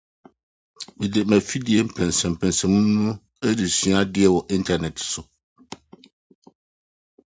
Its villages and settlements are located on big depressions around the municipality capital.